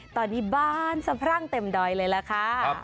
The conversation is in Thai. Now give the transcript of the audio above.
ตอนนี้บ้านสะพรั่งเต็มดอยเลยล่ะค่ะ